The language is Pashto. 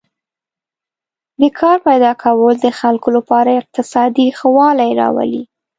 د کار پیدا کول د خلکو لپاره اقتصادي ښه والی راولي.